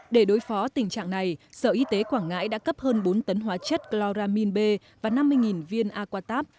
để đối phó tình trạng này sở y tế quảng ngãi đã cấp hơn bốn tấn hóa chất chloramin b và năm mươi viên aquatab